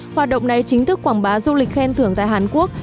hoạt động này chính thức quảng bá du lịch khen thưởng tại hàn quốc